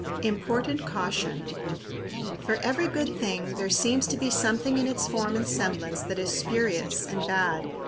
Important Caution. For every good thing there seems to be something in its form and semblance that is spurious and bad.